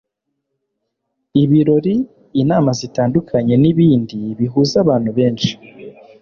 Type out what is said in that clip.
ibirori, inama zitandukanye n'ibindi bihuza abantu benshi